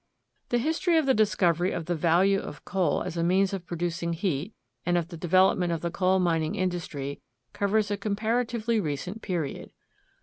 The history of the discovery of the value of coal as a means of producing heat and of the development of the coal mining industry covers a comparatively recent period.